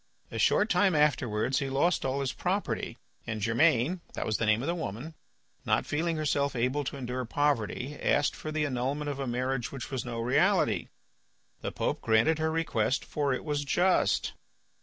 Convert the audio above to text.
A short time afterwards he lost all his property, and Germaine (that was the name of the woman), not feeling herself able to endure poverty, asked for the annulment of a marriage which was no reality. The Pope granted her request, for it was just.